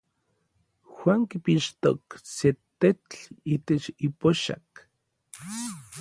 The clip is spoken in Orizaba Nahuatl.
Juan kipixtok se tetl itech ipoxak.